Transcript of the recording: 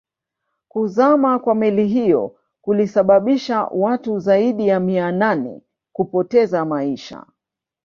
Kuzama kwa meli hiyo kulisababisha watu zaidi ya mia nane kupoteza maisha